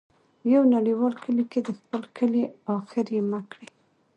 په نړیوال کلي کې د خپل کلی ، اخر یې مه کړې.